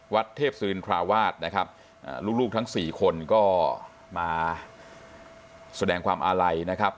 วัดเทพศิรินทราวาสนะครับลูกทั้งสี่คนก็มาแสดงความอาลัยนะครับ